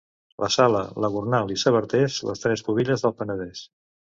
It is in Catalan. La Sala, la Gornal i Sabartés, les tres pubilles del Penedès.